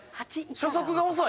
初速遅い！